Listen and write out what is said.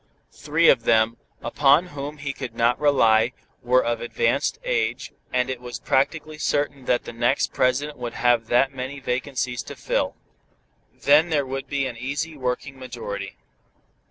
Three of them, upon whom he could not rely, were of advanced age, and it was practically certain that the next President would have that many vacancies to fill. Then there would be an easy working majority.